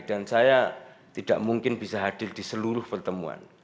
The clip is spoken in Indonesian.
saya tidak mungkin bisa hadir di seluruh pertemuan